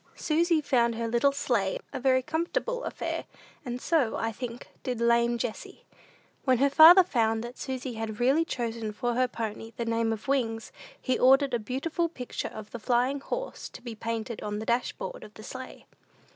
Susy found her little sleigh a very comfortable affair; and so, I think, did "lame Jessie." When her father found that Susy had really chosen for her pony the name of Wings, he ordered a beautiful picture of the Flying Horse to be painted on the dashboard of the sleigh.